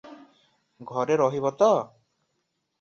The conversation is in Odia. ଘରେ ରହିବ ତ?